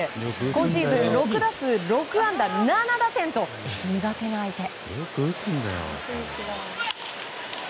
今シーズン６打数６安打７打点と苦手の相手。